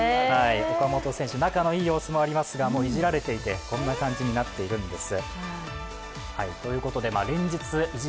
岡本選手、仲のいい様子もありますがいじられてこんな感じになっているんです。